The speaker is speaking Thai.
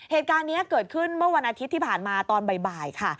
เหตุการณ์นี้เกิดขึ้นเมื่อวันอาทิตย์ที่ผ่านมาตอนบ่ายค่ะ